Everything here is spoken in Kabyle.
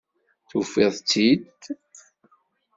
Tufid-tt-id?